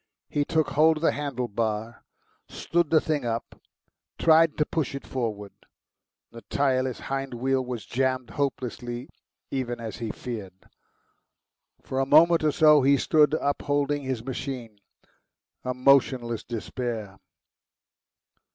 He took hold of the handle bar, stood the thing up, tried to push it forward. The tyreless hind wheel was jammed hopelessly, even as he feared. For a minute or so he stood upholding his machine, a motionless despair.